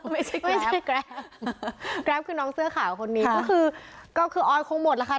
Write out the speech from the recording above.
ไม่ใช่แกรปแกรปคือน้องเสื้อข่าวคนนี้ก็คือออนคงหมดละค่ะ